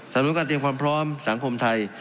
สำนวยการเจียงความพร้อมสังคมไทย